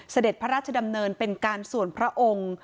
เสด็จพระราชดำเนินเป็นการส่วนพระองค์